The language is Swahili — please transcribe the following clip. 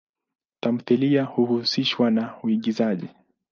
Tamthilia huhusishwa na uigizaji.